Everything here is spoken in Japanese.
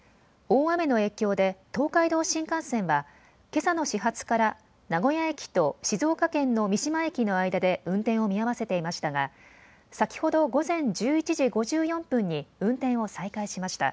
大雨の影響で東海道新幹線は、けさの始発から名古屋駅と静岡県の三島駅の間で運転を見合わせていましたが先ほど午前１１時５４分に運転を再開しました。